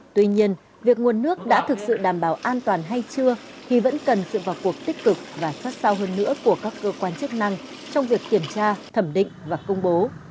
tuy nhiên việc nguồn nước đã thực sự đảm bảo an toàn hay chưa thì vẫn cần sự vào cuộc tích cực và sát sao hơn nữa của các cơ quan chức năng trong việc kiểm tra thẩm định và công bố